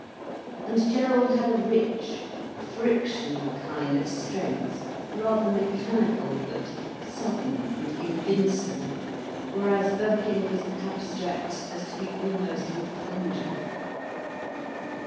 And Gerald had a rich, frictional kind of strength, rather mechanical, but sudden and invincible, whereas Birkin was abstract as to be almost intangible.